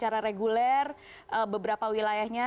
reguler beberapa wilayahnya